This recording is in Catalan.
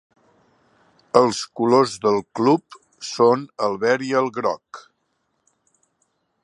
Els colors del club són el verd i el groc.